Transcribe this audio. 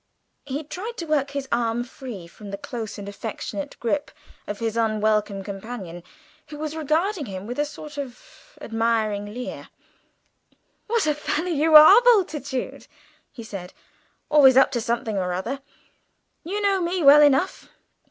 He tried to work his arm free from the close and affectionate grip of his unwelcome companion, who was regarding him with a sort of admiring leer. "What a fellow you are, Bultitude!" he said; "always up to something or other. You know me well enough.